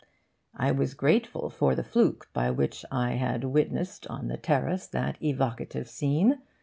I was grateful for the fluke by which I had witnessed on the terrace that evocative scene.